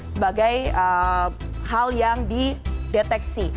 sebagai hal yang dideteksi